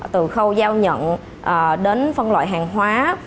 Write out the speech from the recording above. từ khâu giao nhận đến phân loại hàng hóa